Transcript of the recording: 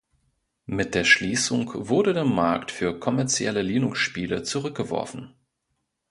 Mit der Schließung wurde der Markt für kommerzielle Linux-Spiele zurückgeworfen.